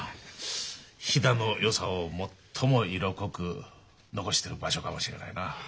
飛騨のよさを最も色濃く残してる場所かもしれないな。